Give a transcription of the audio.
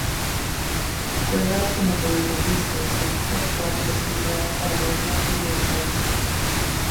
Juega como mediocampista y su equipo actual es el Real Zaragoza B de España.